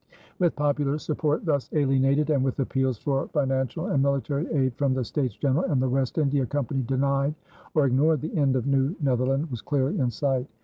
With popular support thus alienated and with appeals for financial and military aid from the States General and the West India Company denied or ignored, the end of New Netherland was clearly in sight.